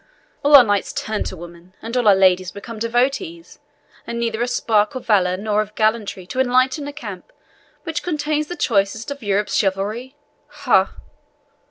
"All our knights turned women, and our ladies become devotees, and neither a spark of valour nor of gallantry to enlighten a camp which contains the choicest of Europe's chivalry ha!"